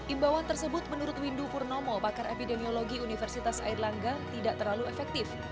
imbawan tersebut menurut windu purnomo pakar epidemiologi universitas air langga tidak terlalu efektif